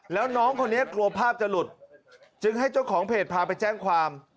แล้วน้องคนนี้กลัวภาพจะหลุดจึงให้เจ้าของเพจพาไปแจ้งความ